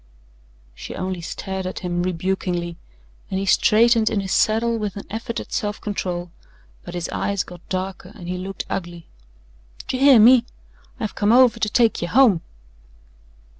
She only stared at him rebukingly, and he straightened in his saddle with an effort at self control but his eyes got darker and he looked ugly. "D'you hear me? I've come over to take ye home."